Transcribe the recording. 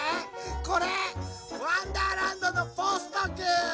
これ「わんだーらんど」のポストくん！